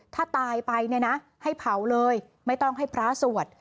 ถ้าตายไปเนี่ยนะให้เผาเลยไม่ต้องให้พระสวด